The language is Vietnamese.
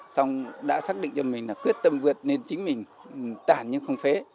xong đã xác định cho mình là quyết tâm vượt nên chính mình tản nhưng không phế